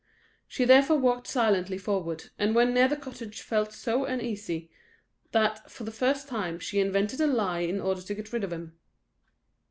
She therefore walked silently forward, and when near the cottage felt so uneasy, that, for the first time, she invented a lie in order to get rid of him.